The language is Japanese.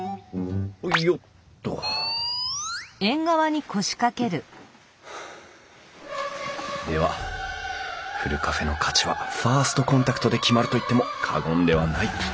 およっとではふるカフェの価値はファーストコンタクトで決まると言っても過言ではない。